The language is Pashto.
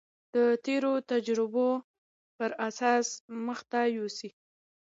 د تېرو تجربو پر اساس مخته يوسي.